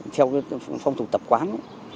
theo phong thủ tập quán